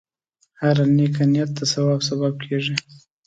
هره نیکه نیت د ثواب سبب کېږي.